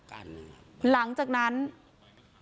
เป็นพระรูปนี้เหมือนเคี้ยวเหมือนกำลังทำปากขมิบท่องกระถาอะไรสักอย่าง